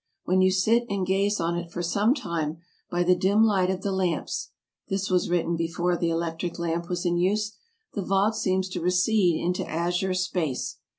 When you sit and gaze on it for some time, by the dim light of the lamps [this was written before the electric lamp was in use], the vault seems to recede into azure space.